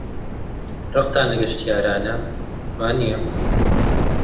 ڕقتان لە گەشتیارانە، وانییە؟